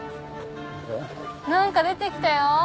何か出て来たよ。